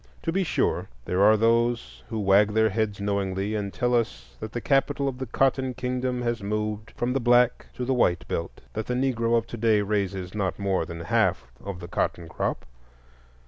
To be sure, there are those who wag their heads knowingly and tell us that the capital of the Cotton Kingdom has moved from the Black to the White Belt,—that the Negro of to day raises not more than half of the cotton crop.